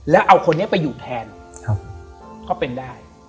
แล้วเอาคนนี้ไปอยู่แทนก็เป็นได้